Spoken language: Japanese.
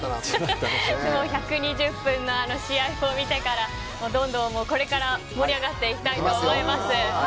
１２０分のあの試合を見てからどんどん、これから盛り上がっていきたいと思います。